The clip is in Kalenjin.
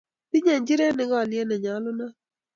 Tinyei njirenik olyet nechulat